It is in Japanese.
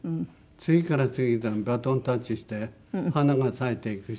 次から次へとバトンタッチして花が咲いていくし。